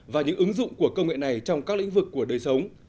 và những ứng dụng của công nghệ này trong các lĩnh vực của đời sống